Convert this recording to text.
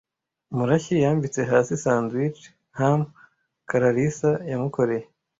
Murashyi yambitse hasi sandwich ham Kalarisa yamukoreye.